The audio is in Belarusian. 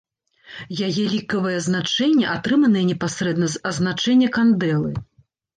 Яе лікавае значэнне атрыманае непасрэдна з азначэння кандэлы.